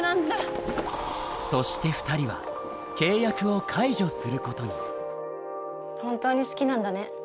そして２人は契約を解除することに本当に好きなんだね。